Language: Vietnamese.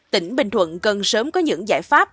tỉnh bình thuận cần sớm có những giải pháp